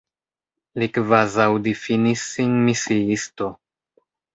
Li kvazaŭ difinis sin misiisto.